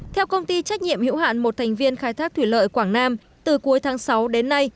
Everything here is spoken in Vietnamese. theo công ty trách nhiệm hữu hạn một thành viên khai thác thủy lợi quảng nam từ cuối tháng sáu đến nay